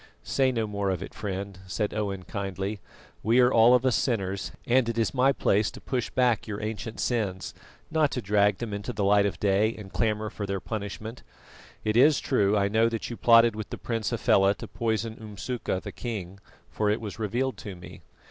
"Say no more of it, friend," said Owen kindly, "We are all of us sinners, and it is my place to push back your ancient sins, not to drag them into the light of day and clamour for their punishment. It is true I know that you plotted with the Prince Hafela to poison Umsuka the King, for it was revealed to me.